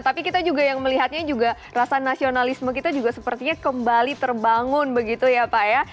tapi kita juga yang melihatnya juga rasa nasionalisme kita juga sepertinya kembali terbangun begitu ya pak ya